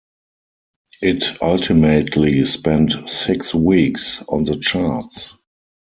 It ultimately spent six weeks on the charts.